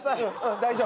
大丈夫。